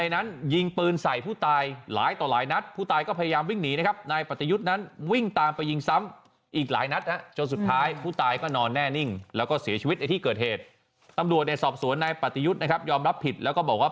ในสอบสวนในปฏิยุทธ์นะครับยอมรับผิดแล้วก็บอกว่า